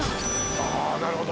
あぁなるほど。